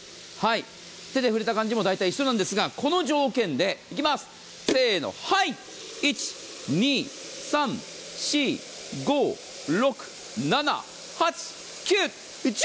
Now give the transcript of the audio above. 手で触れた感じも大体一緒なんですが、この条件でせーの、はい、１、２、３、４、５、６、７、８、９、１０。